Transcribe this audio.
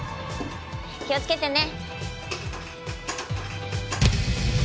気をつけてね。